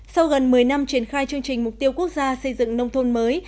sau gần một mươi năm triển khai chương trình mục tiêu quốc gia xây dựng nông thôn mới